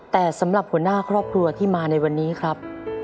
แต่สำหรับหัวหน้าครอบครัวที่มาในวันนี้ครับ